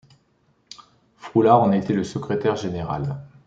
Froulard en était le secrétaire général.